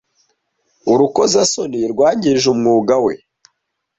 Urukozasoni rwangije umwuga we.